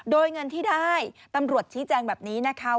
โดยเงินที่ได้ตำรวจชี้แจงแบบนี้นะคะ